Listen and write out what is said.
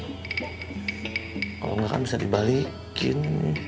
kalau enggak kan bisa dibalikin